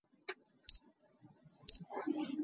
Lung a cher lioah hna hnawhnak pe hlah.